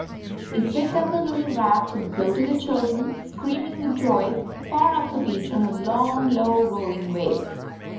It picked up the little raft and floated the children, screaming with joy, far up the beach on a long, low, rolling wave.